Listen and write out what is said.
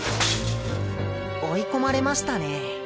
追い込まれましたね。